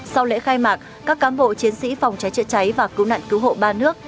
sau lễ khai mạc các cán bộ chiến sĩ phòng cháy chữa cháy và cứu nạn cứu hộ ba nước